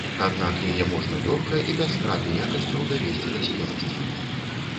Аднак яе можна лёгка і без страты якасцяў давесці да спеласці.